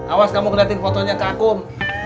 awas kamu keliatin fotonya ke akum